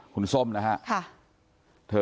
คุณส้มนะครับใช่